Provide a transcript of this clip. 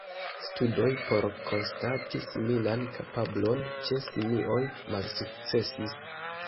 Studoj por konstati similan kapablon ĉe simioj malsukcesis.